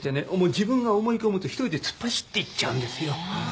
自分が思い込むと一人で突っ走っていっちゃうんですよ。